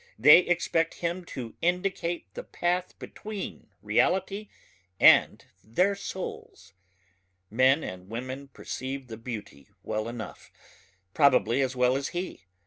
they expect him to indicate the path between reality and their souls. Men and women perceive the beauty well enough ... probably as well as he.